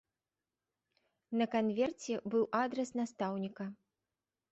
На канверце быў адрас настаўніка.